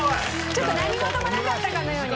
ちょっと何事もなかったかのように。